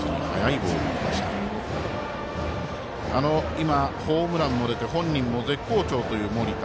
今、ホームランも出て本人も絶好調という森田。